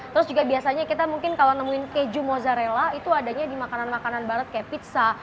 terus juga biasanya kita mungkin kalau nemuin keju mozzarella itu adanya di makanan makanan barat kayak pizza